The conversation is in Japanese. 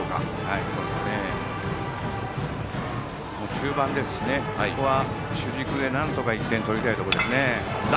中盤ですしね、ここは主軸でなんとか１点取りたいところですね。